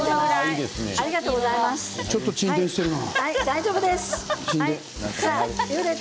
ちょっと沈殿しているな。